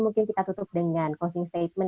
mungkin kita tutup dengan closing statement